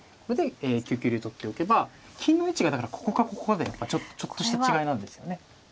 これで９九竜取っておけば金の位置がだからここかここかでちょっとした違いなんですよね。